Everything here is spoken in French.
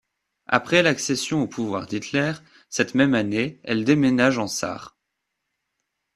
Après l'accession au pouvoir d'Hitler, cette même année, elle déménage en Sarre.